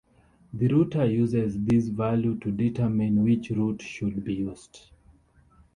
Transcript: The router uses this value to determine which route should be used.